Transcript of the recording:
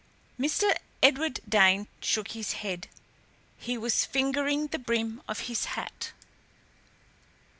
Mr. Edward Dane shook his head. He was fingering the brim of his hat.